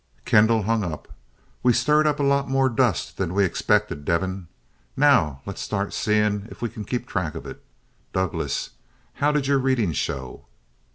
Kendall hung up. "We stirred up a lot more dust than we expected, Devin. Now let's start seeing if we can keep track of it. Douglass, how did your readings show?"